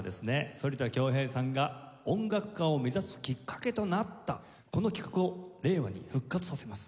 反田恭平さんが音楽家を目指すきっかけとなったこの企画を令和に復活させます。